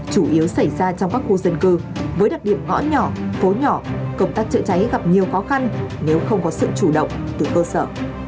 chủ yếu xảy ra trong các khu dân cư với đặc điểm ngõ nhỏ phố nhỏ công tác chữa cháy gặp nhiều khó khăn nếu không có sự chủ động từ cơ sở